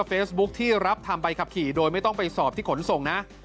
เฟซบุ๊คที่รับทำใบขับขี่โดยไม่ต้องไปสอบที่ขนส่งนะ